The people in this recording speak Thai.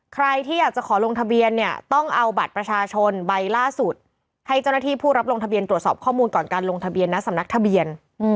ใครที่อยากจะขอลงทะเบียนเนี่ยต้องเอาบัตรประชาชนใบล่าสุดให้เจ้าหน้าที่ผู้รับลงทะเบียนตรวจสอบข้อมูลก่อนการลงทะเบียนนะสำนักทะเบียน